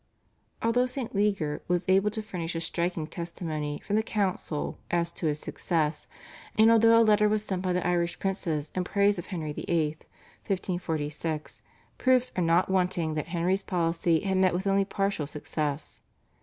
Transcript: Although St. Leger was able to furnish a striking testimony from the council as to his success, and although a letter was sent by the Irish princes in praise of Henry VIII. (1546), proofs are not wanting that Henry's policy had met with only partial success.